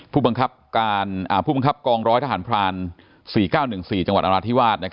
ผู้บังคับกองร้อยทหารพราน๔๙๑๔จังหวัดนราธิวาส